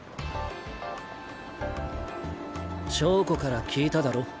硝子から聞いただろ。